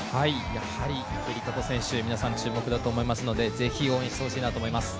やはり池江璃花子選手、皆さん注目だと思いますので、ぜひ応援してほしいなと思います。